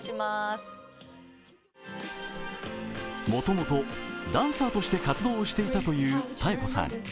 もともとダンサーとして活躍していたというＴＡＥＫＯさん。